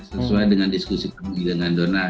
sesuai dengan diskusi kami dengan dona